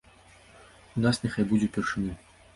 У нас няхай будзе ўпершыню.